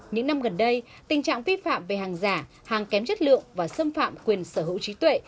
những năm gần đây tình trạng vi phạm về hàng giả hàng kém chất lượng và xâm phạm quyền sở hữu trí tuệ